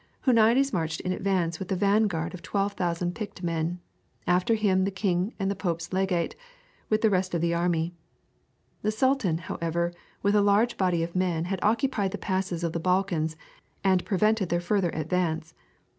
Huniades marched in advance with the vanguard of 12,000 picked men; after him the king and the Pope's legate, with the rest of the army. The sultan, however, with a large body of men had occupied the passes of the Balkans and prevented their farther advance.